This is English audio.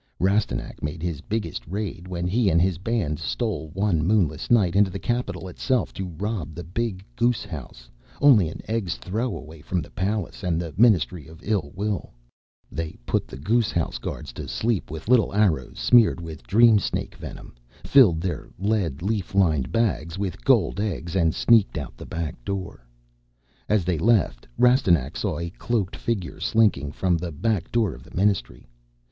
Rastignac made his biggest raid when he and his band stole one moonless night into the capital itself to rob the big Goose House, only an egg's throw away from the Palace and the Ministry of Ill Will. They put the Goose House guards to sleep with little arrows smeared with dream snake venom, filled their lead leaf lined bags with gold eggs, and sneaked out the back door. As they left, Rastignac saw a cloaked figure slinking from the back door of the Ministry.